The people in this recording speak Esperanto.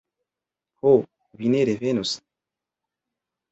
Ho, vi ne revenos...